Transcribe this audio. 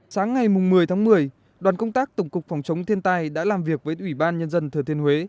sáng ngày một mươi tháng một mươi đoàn công tác tổng cục phòng chống thiên tai đã làm việc với ủy ban nhân dân thừa thiên huế